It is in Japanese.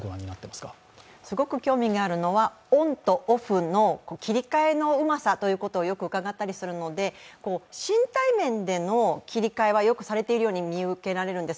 すごく興味があるのはオンとオフの切り替えのうまさをよく伺ったりするので、身体面での切り替えはよくされているように見受けられるんです。